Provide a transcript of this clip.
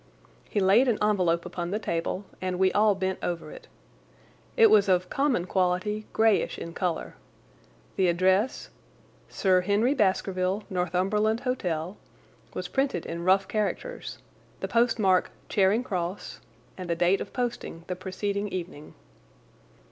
He laid an envelope upon the table, and we all bent over it. It was of common quality, greyish in colour. The address, "Sir Henry Baskerville, Northumberland Hotel," was printed in rough characters; the post mark "Charing Cross," and the date of posting the preceding evening.